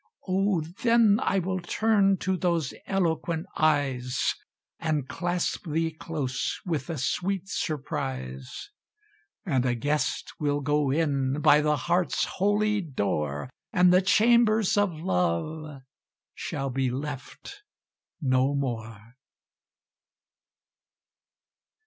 Oh! then I will turn to those eloquent eyes, And clasp thee close, with a sweet surprise; And a guest will go in by the heart's holy door, And the chambers of Love shall be left no more.